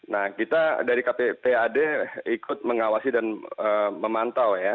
nah kita dari kpad ikut mengawasi dan memantau ya